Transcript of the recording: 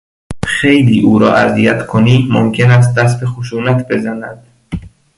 اگر خیلی او را اذیت کنی ممکن است دست به خشونت بزند.